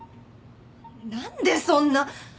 何でそんな。